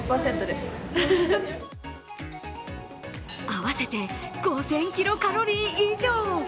合わせて５０００キロカロリー以上。